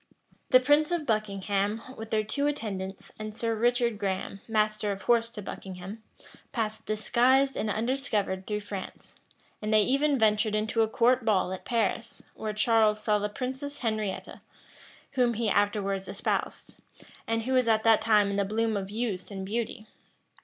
The prince and Buckingham, with their two attendants, and Sir Richard Graham, master of horse to Buckingham, passed disguised and undiscovered through France; and they even ventured into a court ball at Paris, where Charles saw the princess Henrietta, whom he afterwards espoused, and who was at that time in the bloom of youth and beauty.